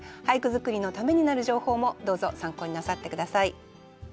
俳句作りのためになる情報もどうぞ参考になさって下さい。